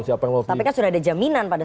tapi kan sudah ada jaminan pada saat itu